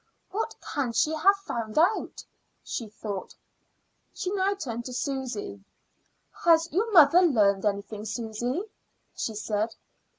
"What can she have found out?" she thought. She now turned to Susy. "Has your mother learned anything, Susy?" she said.